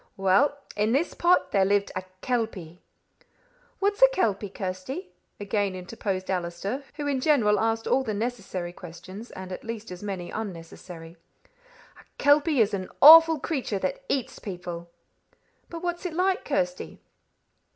"Well, in this pot there lived a kelpie." "What's a kelpie, Kirsty?" again interposed Allister, who in general asked all the necessary questions and at least as many unnecessary. "A kelpie is an awful creature that eats people." "But what is it like, Kirsty?"